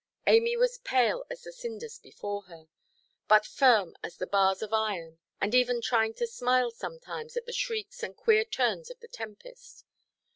Amy was pale as the cinders before her, but firm as the bars of iron, and even trying to smile sometimes at the shrieks and queer turns of the tempest.